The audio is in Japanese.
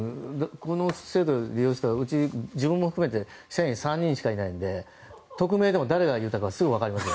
この制度利用したらうち自分も含め社員３人しかいないので匿名でも誰が言ったかすぐ分かりますよ。